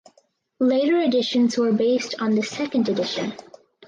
Later editions were based on this second edition.